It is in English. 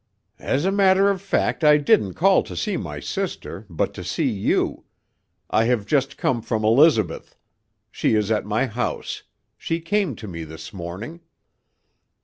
"As a matter of fact I didn't call to see my sister, but to see you. I have just come from Elizabeth. She is at my house. She came to me this morning."